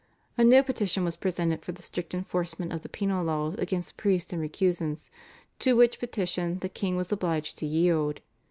A new petition was presented for the strict enforcement of the penal laws against priests and recusants, to which petition the king was obliged to yield.